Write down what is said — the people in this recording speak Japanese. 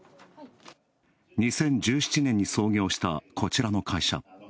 ２０１７年に創業した、こちらの会社。